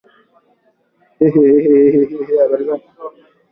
Gazeti limepata taarifa kuwa Kenya na Uganda walikataa uamuzi wa zoezi la uhakiki